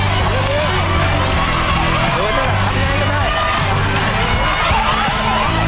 ฐานด้วยเป็นการพัง